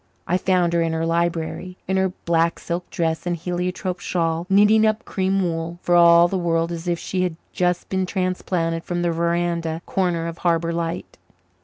I found her in her library, in her black silk dress and heliotrope shawl, knitting up cream wool, for all the world as if she had just been transplanted from the veranda corner of Harbour Light.